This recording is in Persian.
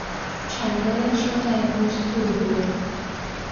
چنگالش را در گوشت فرو برد.